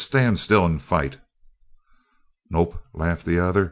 Stand still and fight!" "Nope," laughed the other.